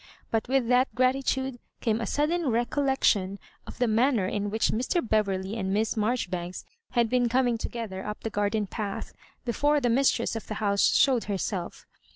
But with that gratitude came a sudden recollection of the manner in which Mr. Bever ley and Miss Marjoribanks had been coming to gether up the garden path, before the mistress of the house showed herself.